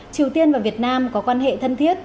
triều tiên và việt nam có quan hệ thân thiết